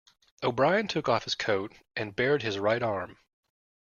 O'Brien took off his coat and bared his right arm.